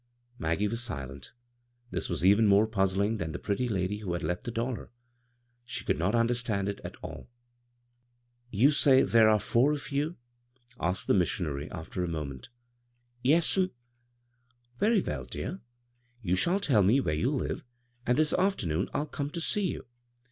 Maggie was silent This was even more puzzling than the pretty lady who had left the dollar. She could not understand it at aU. "You say there are four of you?" asked the missicmaiy, after a moment " Yes'm." " Very well, dear. You shall tell me where you live, and this afternoon I'll come to see you.